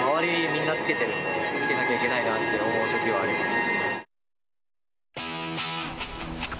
みんな着けているので、着けなきゃいけないなって思うときはあります。